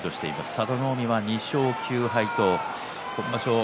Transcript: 佐田の海は２勝９敗と今場所